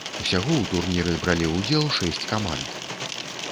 Усяго ў турніры бралі ўдзел шэсць каманд.